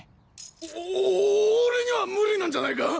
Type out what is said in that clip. お俺には無理なんじゃないか？